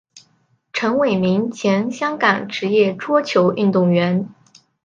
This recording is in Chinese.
陈伟明前香港职业桌球运动员。